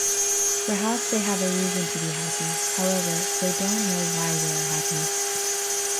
Perhaps they have a reason to be happy; however, they don’t know why they are happy.